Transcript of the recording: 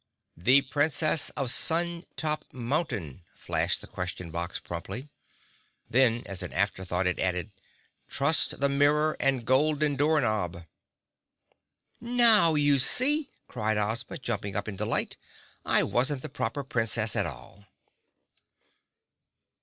"The Princess of Sun Top Mountain," flashed the Question Box promptly. Then, as an afterthought, it added, "Trust the mirror and golden door knob!" "Now, you see!" cried Ozma, jumping up in delight. "I wasn't the Proper Princess at all!"